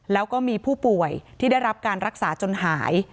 แล้วก็มีผู้ป่วยที่ได้รับการรักษาจนหาย